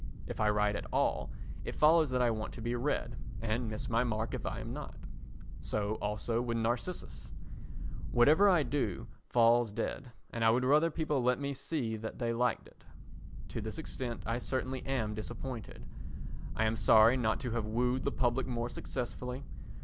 If I write at all, it follows that I want to be read and miss my mark if I am not. So also with Narcissus. Whatever I do falls dead, and I would rather people let me see that they liked it. To this extent I certainly am disappointed. I am sorry not to have wooed the public more successfully.